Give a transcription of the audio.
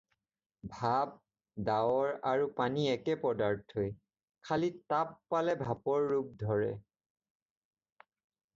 ভাপ, ডাৱৰ আৰু পানী একে পদাৰ্থই; খালি তাপ পালে ভাপৰ ৰূপ ধৰে।